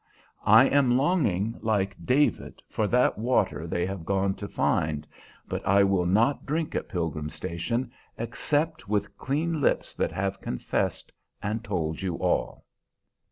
I am longing, like David, for that water they have gone to find, but I will not drink at Pilgrim Station, except with clean lips that have confessed and told you all."